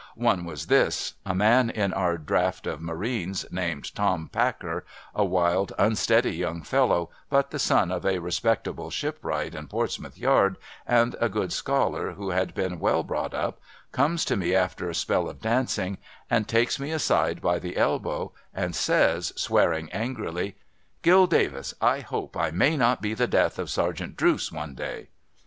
One was this. A man in our draft of marines, named Tom Packer, a wild, unsteady young fellow, but the son of a respectable shipwright in Portsmouth Yard, and a good scholar who had been well brought up, comes to me after a spell of dancing, and takes me aside by the elbow, and says, swearing angrily :' Gill Davis, I hope I may not be the death of Sergeant Drooce one day